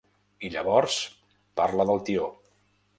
I llavors parla del tió.